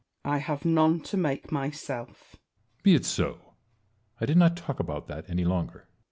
Wallace. I have none to make myself. Edward. Be it so : I did not talk about that any longer.